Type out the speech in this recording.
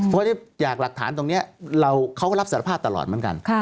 เพราะจากหลักฐานตรงนี้เขาก็รับสารภาพตลอดเหมือนกัน